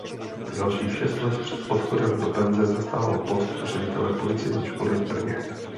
Dalších šest let před odchodem do penze zastával post ředitele policejní školy v Brně.